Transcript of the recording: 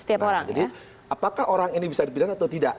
jadi apakah orang ini bisa dipidana atau tidak